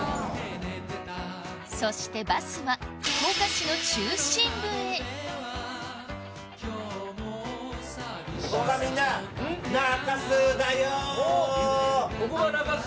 そしてバスは福岡市の中心部へここがみんなここが中洲？